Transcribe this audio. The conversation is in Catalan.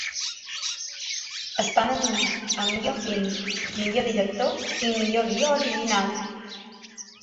Està nominat a millor film, millor director i millor guió original.